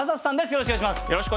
よろしくお願いします。